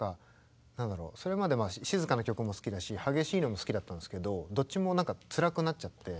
それまで静かな曲も好きだし激しいのも好きだったんですけどどっちもつらくなっちゃって。